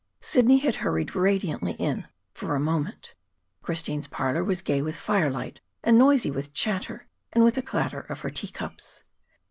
Sidney had hurried radiantly in for a moment. Christine's parlor was gay with firelight and noisy with chatter and with the clatter of her tea cups.